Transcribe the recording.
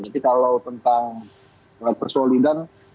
tapi kalau tentang persolidan